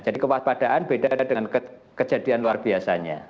jadi kewaspadaan beda dengan kejadian luar biasanya